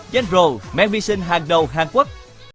genro men vi sinh hàng đầu hàn quốc